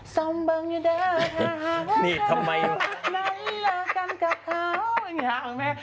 ซอมเบิ้งอย่าเด้อถ้าหากเธออยู่ด้านไหนแล้วกันกับเขา